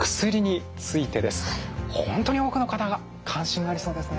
本当に多くの方が関心がありそうですね。